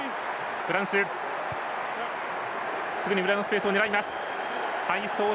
フランスすぐに裏のスペースを狙う。